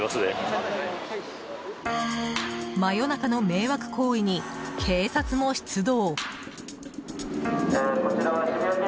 真夜中の迷惑行為に警察も出動。